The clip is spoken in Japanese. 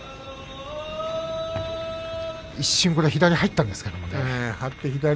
一瞬、左が入ったんですけどね。